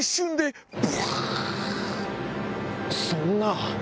そんな。